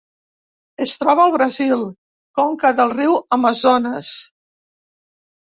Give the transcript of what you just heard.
Es troba al Brasil: conca del riu Amazones.